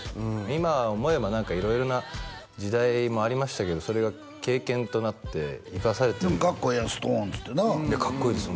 今思えば何か色々な時代もありましたけどそれが経験となって生かされてるかっこええやんＳｉｘＴＯＮＥＳってなかっこいいです